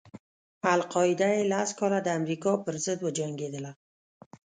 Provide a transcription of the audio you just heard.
القاعده یې لس کاله د امریکا پر ضد وجنګېدله.